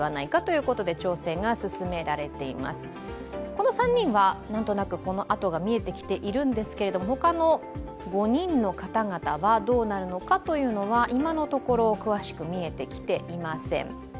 この３人は何となく、このあとが見えてきているんですけど他の５人の方々はどうなるのかというのは今のところ、詳しく見えてきていません。